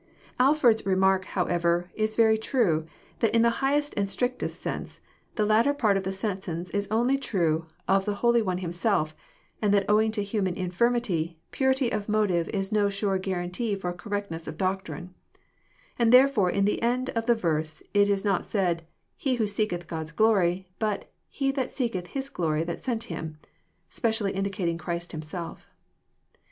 Alford's Remark, however, is very true, that in the highest and strictest sense, '' the latter part of the sentence is only true of the Holy One Himself, and that owing to human infirmity, purity of motive is no sure guarantee for correctness of doc trine ;" and therefore in the end of the verse it is not said, " he who seeketh God's glory," but he who seeketh His glory that sent Him ''— specially indicating Christ Hiiif self.